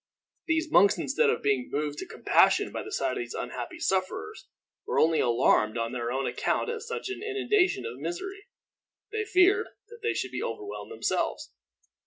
The monks, instead of being moved to compassion by the sight of these unhappy sufferers, were only alarmed on their own account at such an inundation of misery. They feared that they should be overwhelmed themselves.